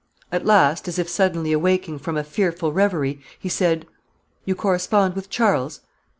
At last, as if suddenly awaking from a fearful reverie, he said "You correspond with Charles?"